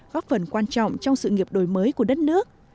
góp phần quan trọng trong sự nghiệp đổi mới của đất nước